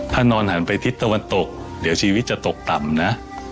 ถ้านอนหันไปทิศตะวันตกเดี๋ยวชีวิตจะตกต่ำนะ